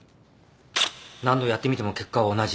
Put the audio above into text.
何度やってみても結果は同じ。